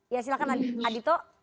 ya silahkan adito